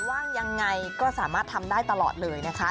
ว่างยังไงก็สามารถทำได้ตลอดเลยนะคะ